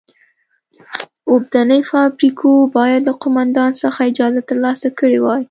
د اوبدنې فابریکو باید له قومندان څخه اجازه ترلاسه کړې وای.